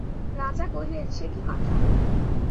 রাজা কহিলেন, সে কী কথা!